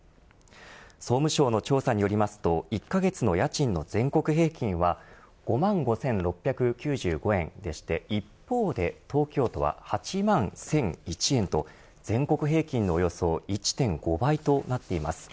総務省の調査によりますと１カ月の家賃の全国平均は５万５６９５円でして一方で東京都は８万１００１円と全国平均のおよそ１．５倍となっています。